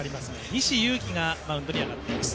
西勇輝がマウンドに上がっています。